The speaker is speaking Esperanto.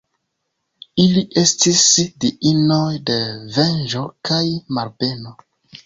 Ili estis diinoj de venĝo kaj malbeno.